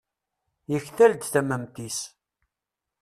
yektal-d tamemt-is